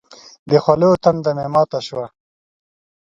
د خولو تنده مې ماته شوه.